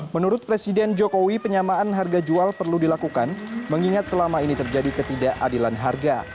menurut presiden jokowi penyamaan harga jual perlu dilakukan mengingat selama ini terjadi ketidakadilan harga